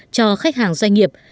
cho khách hàng doanh nghiệp